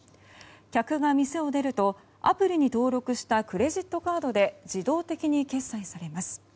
客が店を出るとアプリに登録したクレジットカードで自動的に決済されます。